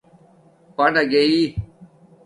پنا گئئ